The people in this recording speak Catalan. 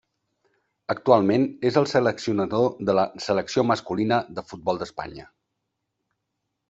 Actualment és el seleccionador de la selecció masculina de futbol d'Espanya.